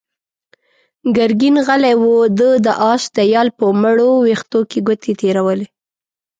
ګرګين غلی و، ده د آس د يال په مړو وېښتو کې ګوتې تېرولې.